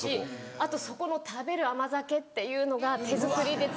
あとそこの食べる甘酒っていうのが手作りで。